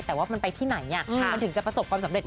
แต่ว่ามันไปที่ไหนมันถึงจะประสบความสำเร็จ